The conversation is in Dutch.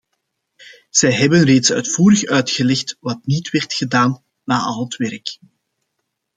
Zij hebben reeds uitvoerig uitgelegd wat niet werd gedaan, na al het werk.